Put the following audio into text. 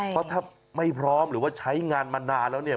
เพราะถ้าไม่พร้อมหรือว่าใช้งานมานานแล้วเนี่ย